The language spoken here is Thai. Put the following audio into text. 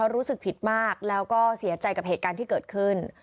รู้สึกผิดมากแล้วก็เสียใจกับเหตุการณ์ที่เกิดขึ้น